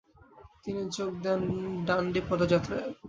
তিনি যোগ দেন ডান্ডি পদযাত্রায়।